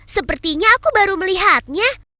sepertinya aku baru melihatnya